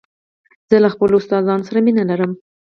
زه له خپلو استادانو سره مینه لرم.